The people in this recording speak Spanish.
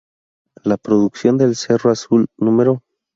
La producción del Cerro Azul No.